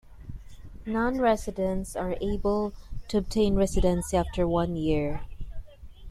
Non-residents are able to obtain residency after one year.